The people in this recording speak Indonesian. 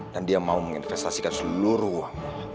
dan dia mau menginvestasikan seluruh uangnya